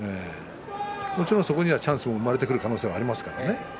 もちろんそこにはチャンスが生まれてくる可能性があります。